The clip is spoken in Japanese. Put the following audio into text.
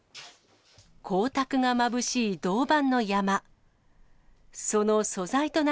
光沢がまぶしい銅板の山。